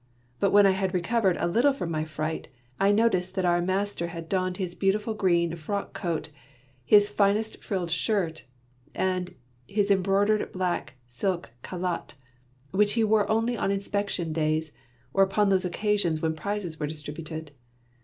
But when I had recovered a little from my fright, I noticed that our master had donned his beautiful green frock coat/^liis finest frilled shirt, and his embroidered black silk calotte, which he wore only on inspection days, or upon those occasions when prizes were distributed.